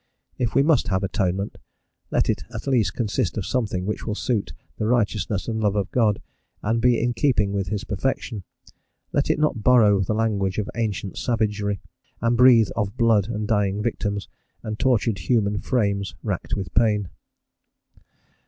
If we must have Atonement, let it at least consist of something which will suit the Righteousness and Love of God, and be in keeping with his perfection; let it not borrow the language of ancient savagery, and breathe of blood and dying victims, and tortured human frames, racked with pain.